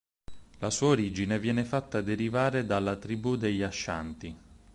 La sua origine viene fatta derivare dalla tribù degli Ashanti.